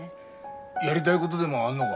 やりたいごどでもあんのが？